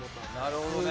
なるほどね。